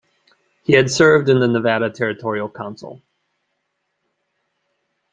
He had served in the Nevada Territorial Council.